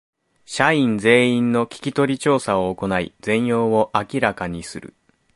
社員全員の聞き取り調査を行い全容を明らかにする